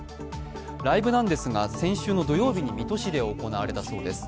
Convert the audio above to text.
ライブなんですが先週の土曜日に水戸市で行われたそうです。